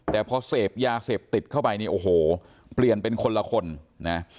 แต่พอเสพยาเสพติดเข้าไปเนี่ยโอ้โหเปลี่ยนเป็นคนละคนนะ